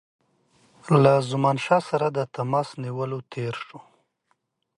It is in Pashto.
له زمانشاه سره د تماس نیولو تېر شو.